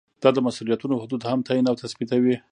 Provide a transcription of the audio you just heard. دا د مسؤلیتونو حدود هم تعین او تثبیتوي.